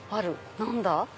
何だ？